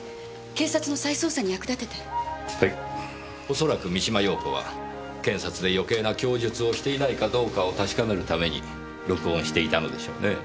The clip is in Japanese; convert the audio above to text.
恐らく三島陽子は検察で余計な供述をしていないかどうかを確かめるために録音していたのでしょうね。